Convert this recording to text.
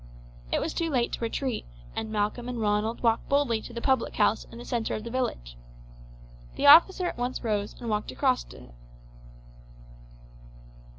It was too late to retreat, and Malcolm and Ronald walked boldly to the public house in the centre of the village. The officer at once rose and walked across to him.